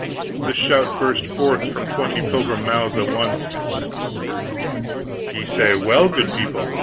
This shout burst from twenty pilgrim mouths at once. "Ye say well, good people.